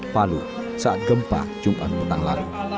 palu saat gempa jumat menang lalu